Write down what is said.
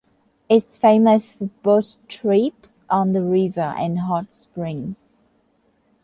It is famous for boat trips on the river and hot springs.